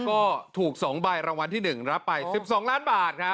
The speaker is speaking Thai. ก็ถูก๒ใบรางวัลที่๑รับไป๑๒ล้านบาทครับ